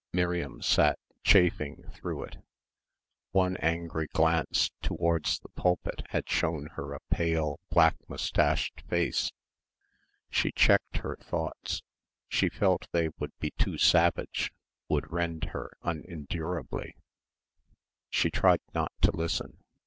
Miriam sat, chafing, through it. One angry glance towards the pulpit had shown her a pale, black moustached face. She checked her thoughts. She felt they would be too savage; would rend her unendurably. She tried not to listen.